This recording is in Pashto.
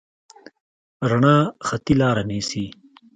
رڼا خطي لاره نیسي.